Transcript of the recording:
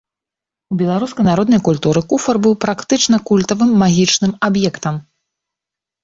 У беларускай народнай культуры куфар быў практычна культавым, магічным аб'ектам.